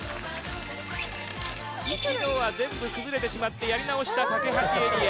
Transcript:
一度は全部崩れてしまってやり直した掛橋エリア。